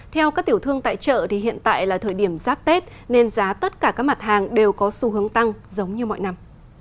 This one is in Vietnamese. theo các tiểu thương tại chợ hiện tại là thời điểm giáp tết nên giá tất cả các mặt hàng đều có xu hướng tăng giống như mọi năm